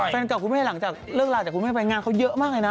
แฟนเก่าคุณแม่หลังจากเลิกลาจากคุณแม่ไปงานเขาเยอะมากเลยนะ